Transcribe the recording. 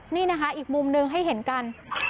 นี่นะคะอีกมุมหนึ่งให้เห็นกัน